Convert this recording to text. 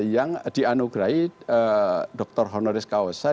yang dianugerai doktor honoris causa